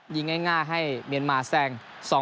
ยิงง่ายให้เมียนมาแทรง๒๑